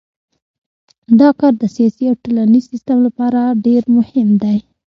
دا کار د سیاسي او ټولنیز سیستم لپاره ډیر مهم دی.